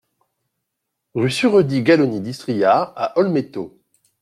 Rue Sureddi Galloni d'Istria à Olmeto